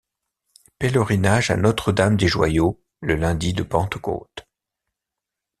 Pèlerinage à Notre Dame des Joyaux le lundi de Pentecôte.